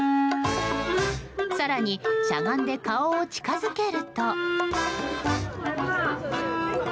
更にしゃがんで顔を近づけると。